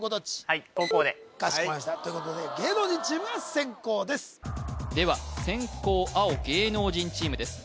はい後攻でかしこまりましたということで芸能人チームが先攻ですでは先攻青芸能人チームです